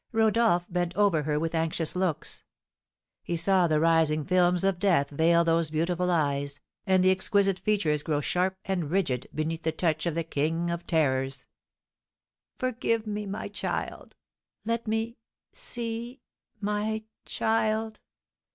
Rodolph bent over her with anxious looks; he saw the rising films of death veil those beautiful eyes, and the exquisite features grow sharp and rigid beneath the touch of the king of terrors. "Forgive me, my child! Let me see my child!